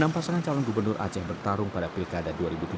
enam pasangan calon gubernur aceh bertarung pada pilkada dua ribu tujuh belas